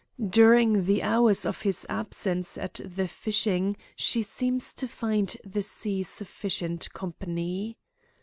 Daring the hours of his absence at the fishing she seemed to find the sea sufficient company.